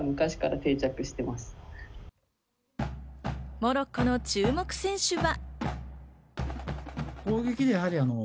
モロッコの注目選手は？